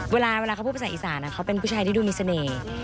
เวลาเวลาเขาพูดภาษาอีสานอ่ะเขาเป็นผู้ชายที่ดูมิสเนย